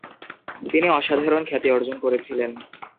তিনি অসাধারণ খ্যাতি অর্জন করেছিলেন ।